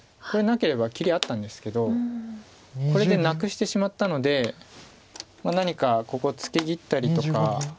これなければ切りあったんですけどこれでなくしてしまったので何かここツケ切ったりとか。